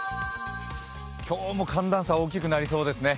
今日も寒暖差大きくなりそうですね。